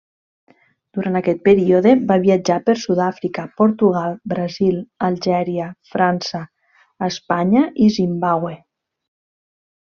Durant aquest període va viatjar per Sud-àfrica, Portugal, Brasil, Algèria, França, Espanya i Zimbàbue.